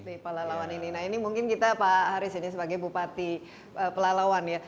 di pelalawan ini nah ini mungkin kita pak haris ini sebagai bupati pelalawan ya